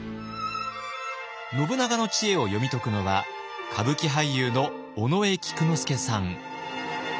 信長の知恵を読み解くのは歌舞伎俳優の尾上菊之助さん。